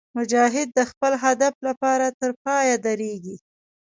مجاهد د خپل هدف لپاره تر پایه درېږي.